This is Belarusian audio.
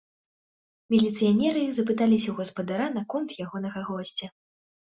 Міліцыянеры запыталіся ў гаспадара наконт ягонага госця.